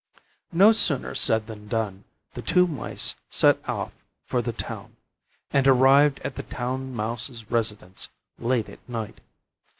No sooner said than done: the two mice set off for the town and arrived at the Town Mouse's residence late at night.